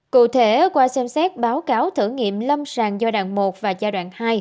cụ thể qua xem xét báo cáo thử nghiệm lâm sàng giai đoạn một và giai đoạn hai